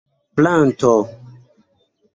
planto